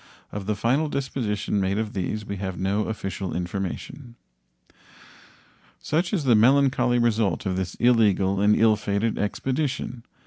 Of the final disposition made of these we have no official information. Such is the melancholy result of this illegal and ill fated expedition.